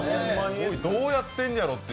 どうやってんねやろって。